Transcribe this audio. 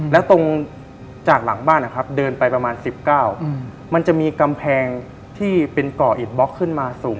แล้วตรงจากหลังบ้านนะครับเดินไปประมาณ๑๙มันจะมีกำแพงที่เป็นก่ออิดบล็อกขึ้นมาสูง